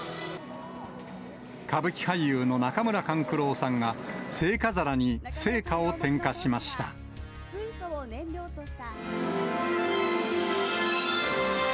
歌舞伎俳優の中村勘九郎さんが、聖火皿に聖火を点火しました。